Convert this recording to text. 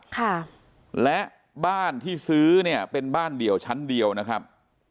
ค่ะและบ้านที่ซื้อเนี่ยเป็นบ้านเดี่ยวชั้นเดียวนะครับ